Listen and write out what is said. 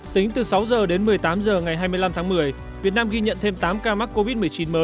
tính từ sáu h đến một mươi tám h ngày hai mươi năm tháng một mươi việt nam ghi nhận thêm tám ca mắc covid một mươi chín mới